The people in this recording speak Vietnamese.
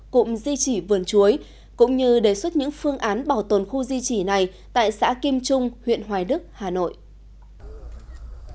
cụm di trị vườn chuối cũng như đề xuất những phương án bảo tồn khu di chỉ này tại xã kim trung huyện hoài đức hà nội